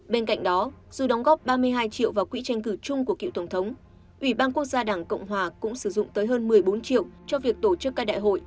bên cạnh đó dù đóng góp ba mươi hai triệu vào quỹ tranh cử chung của cựu tổng thống ủy ban quốc gia đảng cộng hòa cũng sử dụng tới hơn một mươi bốn triệu cho việc tổ chức các đại hội